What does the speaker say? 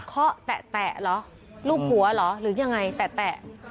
เคาะแตะหรือลูกหัวหรือยังไงแตะ